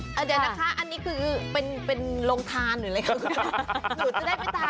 เดี๋ยวนะคะอันนี้คือเป็นโรงทานหรืออะไรคะคุณจะได้ไม่ตาย